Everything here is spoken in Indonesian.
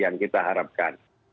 yang kita harapkan